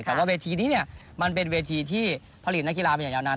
แต่ว่าเวทีนี้เนี่ยมันเป็นเวทีที่ผลิตนักกีฬามาอย่างยาวนาน